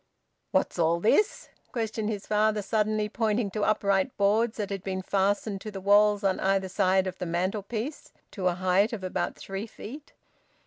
"What's all this?" questioned his father suddenly, pointing to upright boards that had been fastened to the walls on either side of the mantelpiece, to a height of about three feet.